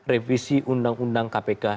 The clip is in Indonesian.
revisi undang undang kpk